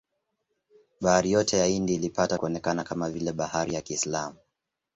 Bahari yote ya Hindi ilipata kuonekana kama vile bahari ya Kiislamu.